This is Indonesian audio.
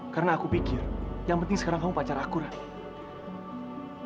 karena aku pikir yang penting sekarang kamu pacar aku rat